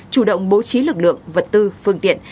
chủ động bố trí lực lượng vật tư phương tiện